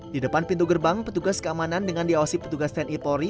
di depan pintu gerbang petugas keamanan dengan diawasi petugas tni polri